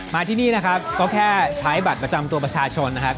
มาที่นี่นะครับก็แค่ใช้บัตรประจำตัวประชาชนนะครับ